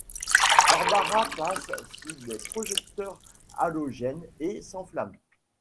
Barbara passe sous des projecteurs halogènes et s'enflamme.